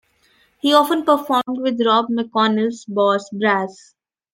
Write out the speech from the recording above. He often performed with Rob McConnell's Boss Brass.